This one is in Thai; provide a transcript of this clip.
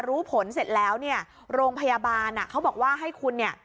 รู้ผลเสร็จแล้วเนี่ยโรงพยาบาลอ่ะเขาบอกว่าให้คุณเนี่ย